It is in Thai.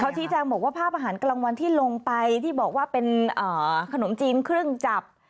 ชี้แจงบอกว่าภาพอาหารกลางวันที่ลงไปที่บอกว่าเป็นขนมจีนครึ่งจับ